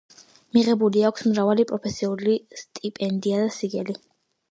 მიღებული აქვს მრავალი პროფესიული სტიპენდია და სიგელი.